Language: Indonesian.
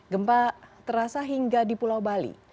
gempa terasa hingga di pulau bali